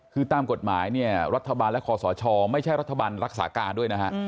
คือตามกฎหมายเนี่ยรัฐบาลและคอสชไม่ใช่รัฐบาลรักษาการด้วยนะฮะ